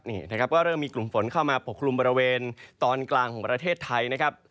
นี่นะครับก็เริ่มมีกลุ่มฝนเข้ามาปกคลุมบริเวณตอนกลางของประเทศไทยนะครับ